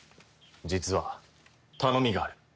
実は頼みがある。